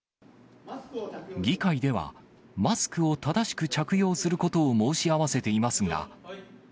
議会では、マスクを正しく着用することを申し合わせていますが。